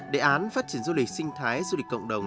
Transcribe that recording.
đề án phát triển du lịch sinh thái du lịch cộng đồng